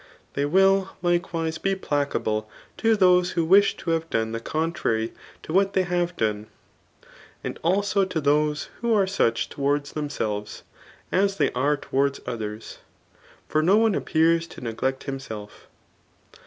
Th^y will likewise be placable to those who wish to have done the contrary to what they have done. And also to diose who are such towaid$ themselves, as they are towards others; £or no one appears to neglect himself.